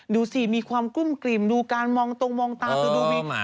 ดูสิมีความกุ้มกรีมดูการมองตรงมองตาตัวดู